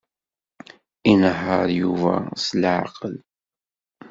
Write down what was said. Inehheṛ Yuba s leɛqel.